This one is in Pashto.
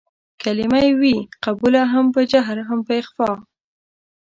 کلمه يې وي قبوله هم په جهر په اخفا